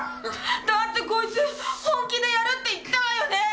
だってこいつ本気でやるって言ったわよね！